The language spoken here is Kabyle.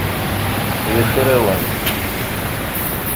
Yuker-awent.